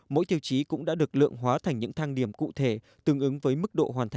mỗi tiêu chí cũng đã được lượng hóa thành những tham gia